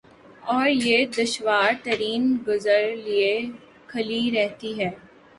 اور یہ دشوار ترین گزر لئے کھلی رہتی ہے ۔